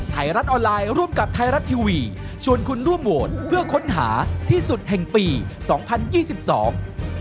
ไทยรัฐออนไลน์ร่วมกับไทยรัฐทีวีชวนคุณร่วมโหวตเพื่อค้นหาที่สุดแห่งปีสองพันยี่สิบสอง